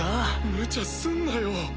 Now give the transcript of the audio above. むちゃすんなよ。